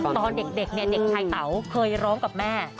ตอนเด็กเนี่ยเด็กชายเต๋าเคยร้องกับแม่